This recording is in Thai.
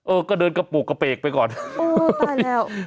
เออก็เดินกระโปรกกระเปกไปก่อนโอ้ตายแล้ว